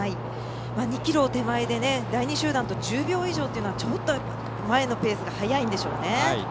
２ｋｍ手前で第２集団と１０秒以上というのはちょっと前のペースが速いんでしょうね。